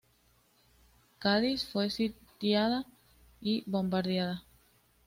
Cádiz fue sitiada y bombardeada.